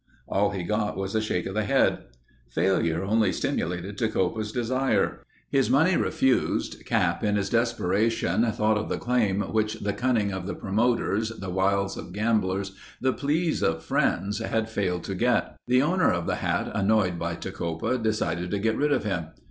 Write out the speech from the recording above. All he got was a shake of the head. Failure only stimulated Tecopa's desire. His money refused, Cap in his desperation thought of the claim which the cunning of the promoters, the wiles of gamblers, the pleas of friends had failed to get. The owner of the hat annoyed by Tecopa, decided to get rid of him.